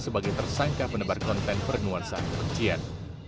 sebagai tersangka penebar konten bernuansa kebencian